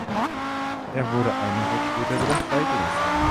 Er wurde einen Tag später wieder freigelassen.